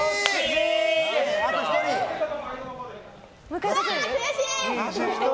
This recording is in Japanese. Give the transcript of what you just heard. あと１人！